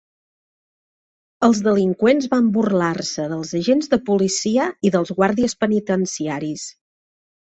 Els delinqüents van burlar-se dels agents de policia i dels guàrdies penitenciaris.